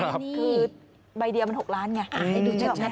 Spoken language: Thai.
คือใบเดียว๖ล้านเหมือนกัน